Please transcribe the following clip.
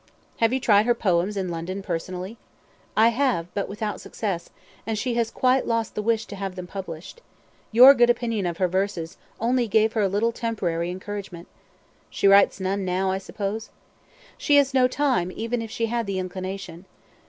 "Have you tried her poems in London personally?" "I have, but without success, and she has quite lost the wish to have them published. Your good opinion of her verses only gave her a little temporary encouragement." "She writes none now, I suppose?" "She has no time even if she had the inclination.